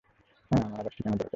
হ্যাঁ, আমার আবার ঠিকানা দরকার।